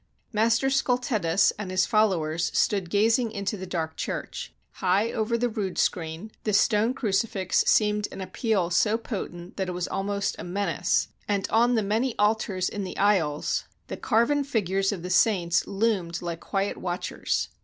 Master Scultetus and his followers stood gazing into the dark church. High over the rood screen the stone crucifix seemed an appeal so potent that it was almost a menace, and on the many altars in the aisles the carven 288 THE DEVASTATION OF ST. VITUS'S CHURCH figures of the saints loomed like quiet watchers.